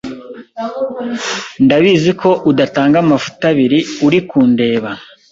Ndabizi ko udatanga amafuti abiri urikundeba